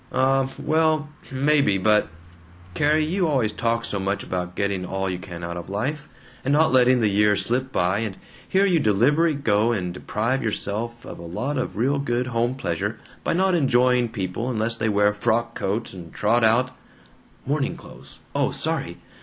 "Um, well, maybe, but Carrie, you always talk so much about getting all you can out of life, and not letting the years slip by, and here you deliberately go and deprive yourself of a lot of real good home pleasure by not enjoying people unless they wear frock coats and trot out " ("Morning clothes. Oh. Sorry.